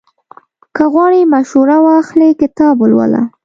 که غواړې مشوره واخلې، کتاب ولوله.